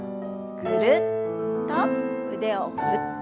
ぐるっと腕を振って。